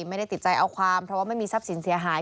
ไม่ได้ติดใจเอาความเพราะว่าไม่มีทรัพย์สินเสียหาย